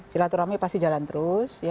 silaturahimnya pasti jalan terus ya